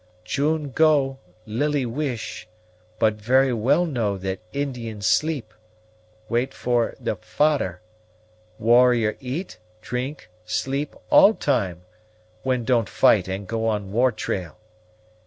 "June go, Lily wish; but very well know that Indian sleep; wait for 'e fader. Warrior eat, drink, sleep, all time, when don't fight and go on war trail.